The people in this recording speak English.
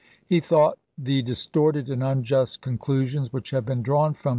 He thought the distorted and un just conclusions which had been drawn from 1864.